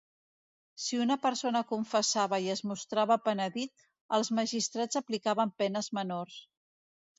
Si una persona confessava i es mostrava penedit, els magistrats aplicaven penes menors.